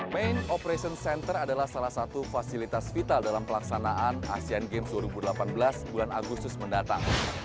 main operation center adalah salah satu fasilitas vital dalam pelaksanaan asean games dua ribu delapan belas bulan agustus mendatang